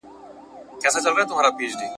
ملا دا نه ویل چي زموږ خو بې روژې روژه ده ,